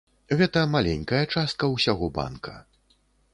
Гэта маленькая частка ўсяго банка.